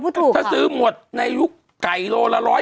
เป็นการกระตุ้นการไหลเวียนของเลือด